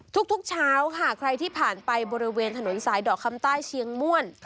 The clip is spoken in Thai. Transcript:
ทุกเช้าค่ะใครที่ผ่านไปบริเวณถนนสายดอกคำใต้เชียงม่วน